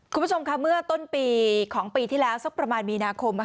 คุณผู้ชมค่ะเมื่อต้นปีของปีที่แล้วสักประมาณมีนาคม